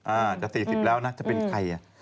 เออจะสี่สิบแล้วนะจะเป็นใคร